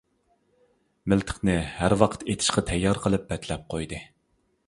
مىلتىقنى ھەر ۋاقىت ئېتىشقا تەييار قىلىپ بەتلەپ قويدى.